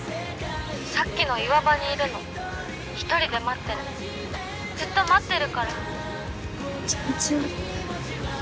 さっきの岩場にいるの１人で待ってるずっと待ってるから気持ち悪っ